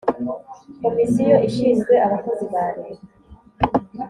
komisiyo ishinzwe abakozi ba leta